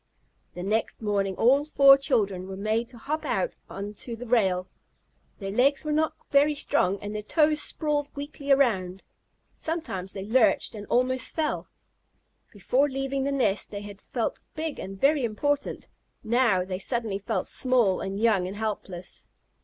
The next morning all four children were made to hop out on to the rail. Their legs were not very strong and their toes sprawled weakly around. Sometimes they lurched and almost fell. Before leaving the nest they had felt big and very important; now they suddenly felt small and young and helpless.